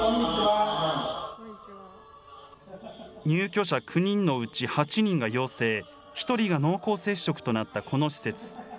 入居者９人のうち８人が陽性、１人が濃厚接触となったこの施設。